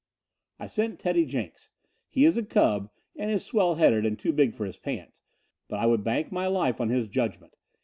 "I sent Teddy Jenks. He is a cub and is swell headed and too big for his pants, but I would bank my life on his judgment.